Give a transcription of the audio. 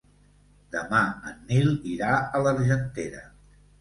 Demà en Nil irà a l'Argentera.